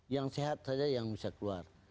yang sehat saja yang bisa keluar